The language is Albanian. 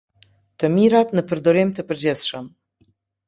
Të mirat në përdorim të përgjithshëm.